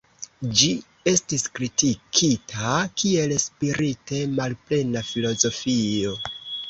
Ĝi estis kritikita kiel spirite malplena filozofio.